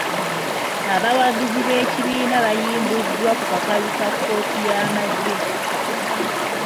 Abawagizi b’ekibiina bayimbuddwa ku kakalu ka kkooti y’amagye.